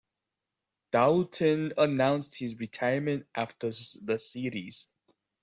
Daulton announced his retirement after the series.